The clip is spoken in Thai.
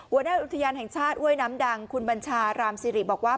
หัวหน้าอุทยานแห่งชาติห้วยน้ำดังคุณบัญชารามสิริบอกว่า